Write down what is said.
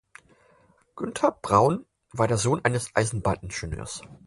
Günter Braun war der Sohn eines Eisenbahningenieurs.